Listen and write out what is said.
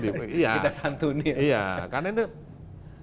kita santuni ya karena itu